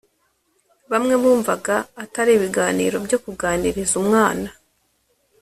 bamwe bumvaga atari ibiganiro byo kuganiriza umwana